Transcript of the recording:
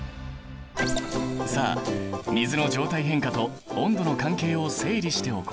さあ水の状態変化と温度の関係を整理しておこう。